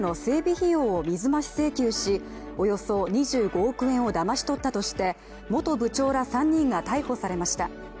費用を水増し請求しおよそ２５億円をだまし取ったとして元部長ら３人が逮捕されました。